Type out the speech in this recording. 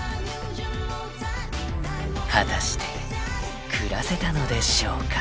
［果たして暮らせたのでしょうか？］